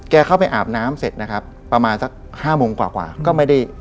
เข้าไปอาบน้ำเสร็จนะครับประมาณสักห้าโมงกว่าก็ไม่ได้